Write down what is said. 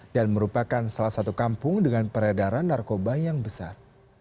dan merupakan salah satu kampung dengan peredaran narkoba yang besar